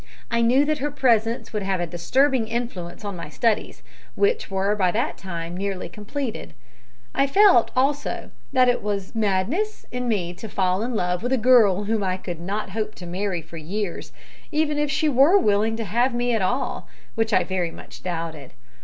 I knew that her presence would have a disturbing influence on my studies, which were by that time nearly completed. I felt, also, that it was madness in me to fall in love with a girl whom I could not hope to marry for years, even if she were willing to have me at all, which I very much doubted.